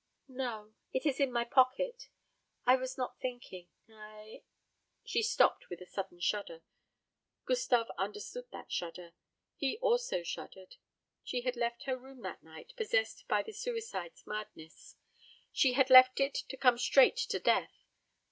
"No, it is in my pocket. I was not thinking I " She stopped with a sudden shudder. Gustave understood that shudder; he also shuddered. She had left her room that night possessed by the suicide's madness; she had left it to come straight to death.